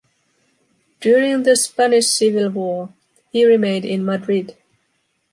During the Spanish civil war, he remained in Madrid.